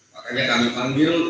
makanya kami mengambil